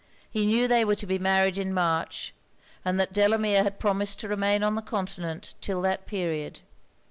He knew they were to be married in March, and that Delamere had promised to remain on the Continent 'till that period.